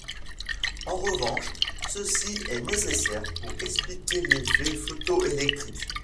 En revanche, ceci est nécessaire pour expliquer l'effet photoélectrique.